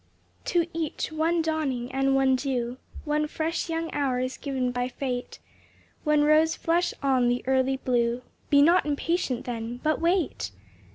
To each, one dawning and one dew, One fresh young hour is given by fate, One rose flush on the early blue. Be not impatient then, but wait!